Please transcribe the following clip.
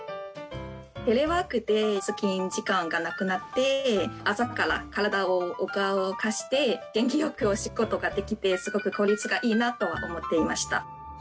テレワークで通勤時間がなくなって朝から体を動かして元気よくお仕事ができてすごく効率がいいなとは思っていました。